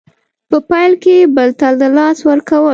په پیل کې بل ته د لاس ورکول